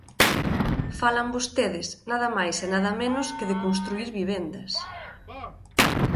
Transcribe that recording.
Falan vostedes, nada máis e nada menos, que de construír vivendas.